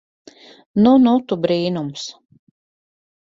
Nu nu tu brīnums.